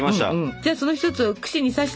じゃあその一つを串に刺してですね。